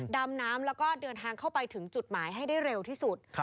ดำน้ำแล้วก็เดินทางเข้าไปถึงจุดหมายให้ได้เร็วที่สุด